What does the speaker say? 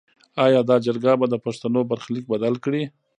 ایا دا جرګه به د پښتنو برخلیک بدل کړي؟